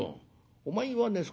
お前はね